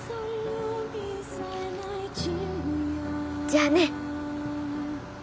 じゃあね。